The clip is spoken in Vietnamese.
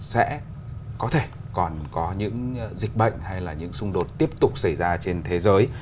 sẽ có thể còn có những dịch bệnh hay là những xung đột tiếp tục xảy ra trên thế giới